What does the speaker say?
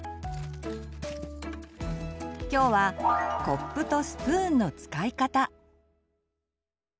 きょうは「コップとスプーンの使い方」。